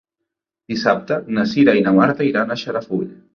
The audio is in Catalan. Dissabte na Cira i na Marta iran a Xarafull.